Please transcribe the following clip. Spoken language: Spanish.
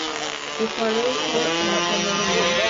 The Farewell Tour —en español: "En vivo!